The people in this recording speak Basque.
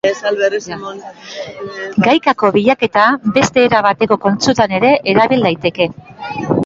Gaikako bilaketa beste era bateko kontsultan ere erabil daiteke.